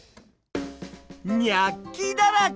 ニャッキだらけ！